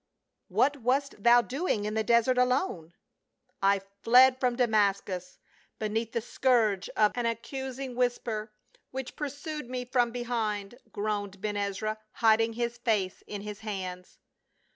"What wast thou doing in the desert alone?" " I fled from Damascus beneath the scourge of an 56 PA UL. accusing whisper which pursued me from behind," groaned Ben Ezra, hiding his face in his hands.